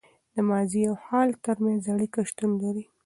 د ماضي او حال تر منځ اړیکه شتون لري.